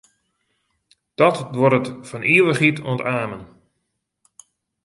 Dat duorret fan ivichheid oant amen.